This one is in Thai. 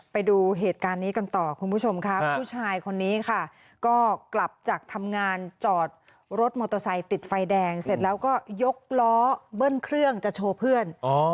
ไปดูเหตุการณ์นี้กันต่อคุณผู้ชมครับผู้ชายคนนี้ค่ะก็กลับจากทำงานจอดรถมอเตอร์ไซค์ติดไฟแดงเสร็จแล้วก็ยกล้อเบิ้ลเครื่องจะโชว์เพื่อน